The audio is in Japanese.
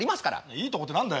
いいとこって何だ？